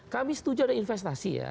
kami setuju ada investasi ya